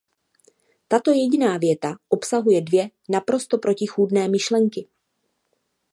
Tato jediná věta obsahuje dvě naprosto protichůdné myšlenky.